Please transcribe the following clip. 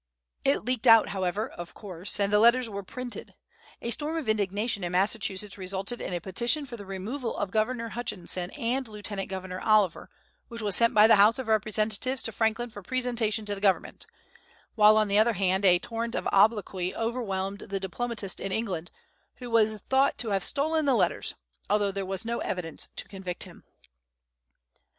It leaked out however, of course, and the letters were printed. A storm of indignation in Massachusetts resulted in a petition for the removal of Governor Hutchinson and Lieutenant Governor Oliver, which was sent by the House of Representatives to Franklin for presentation to the government; while, on the other hand, a torrent of obloquy overwhelmed the diplomatist in England, who was thought to have stolen the letters, although there was no evidence to convict him.